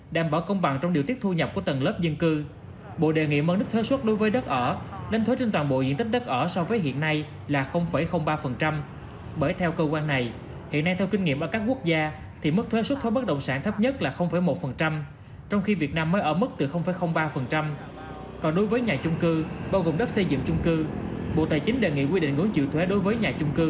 đảm bảo công bằng trong điều tiết thu nhập của tầng lớn